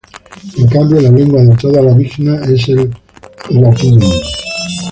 En cambio la lengua de toda la Mishná es el hebreo.